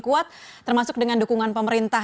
kuat termasuk dengan dukungan pemerintah